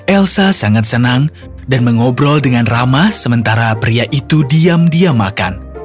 elsa sangat senang dan mengobrol dengan ramah sementara pria itu diam diam makan